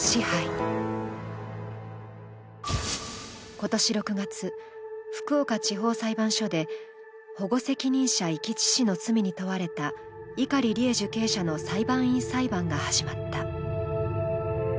今年６月、福岡地方裁判所で保護責任者遺棄致死の罪に問われた碇利恵受刑者の裁判員裁判が始まった。